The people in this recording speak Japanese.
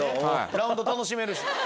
ラウンド楽しめるし。